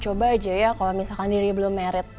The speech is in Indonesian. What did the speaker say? coba aja ya kalau misalkan niri belum married